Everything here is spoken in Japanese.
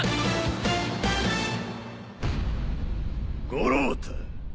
五郎太。